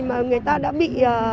mà người ta đã bị bệnh